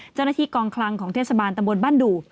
เจ้าหน้าที่กองคลังของเทศบาลตำบลบ้านดู่